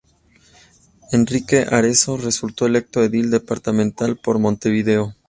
Enrique Arezzo resultó electo edil departamental por Montevideo.